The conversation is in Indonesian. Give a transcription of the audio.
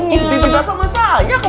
ini tidak sama saya